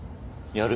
やる。